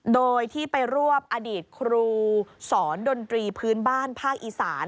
โดยที่ไปรวบอดีตครูสอนดนตรีพื้นบ้านภาคอีสาน